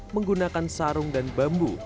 menggunakan sarung dan bambu